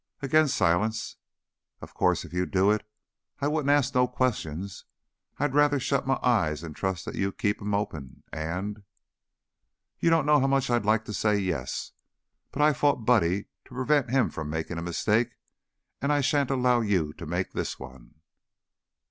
Again silence. "Of course, if you'd do it, I wouldn't ask no questions. I'd rather shut my eyes an' trust you than keep 'em open an' " "You don't know how much I'd like to say yes, but I fought Buddy to prevent him from making a mistake, and I sha'n't allow you to make this one."